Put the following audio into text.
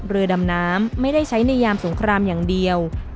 เรือดำน้ำไม่ได้ใช้ในยามสงครามอย่างเดียว